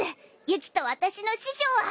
ユキと私の師匠は！